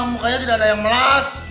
mukanya tidak ada yang melas